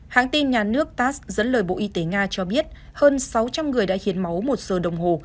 hãng tin nhà nước tas dẫn lời bộ y tế nga cho biết hơn sáu trăm linh người đã hiến máu một giờ đồng hồ